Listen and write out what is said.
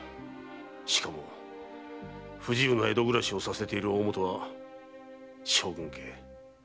しかも不自由な江戸暮らしをさせている大本は将軍家。